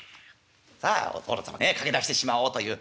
さあお殿様ね駆けだしてしまおうという。